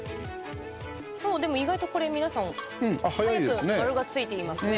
でも意外と、これ皆さん早く丸がついていますね。